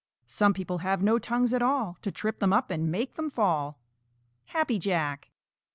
Some people have no tongues at all To trip them up and make them fall. _Happy Jack.